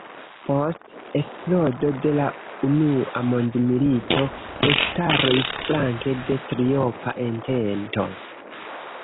Post eksplodo de la unua mondmilito ekstaris flanke de Triopa Entento.